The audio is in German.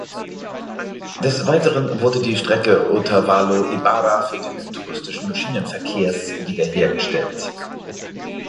Des Weiteren wurde die Strecke Otavalo-Ibarra für den touristischen Schienenverkehrs wiederhergestellt.